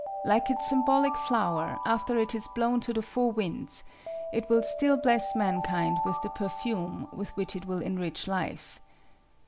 Like its symbolic flower, after it is blown to the four winds, it will still bless mankind with the perfume with which it will enrich life.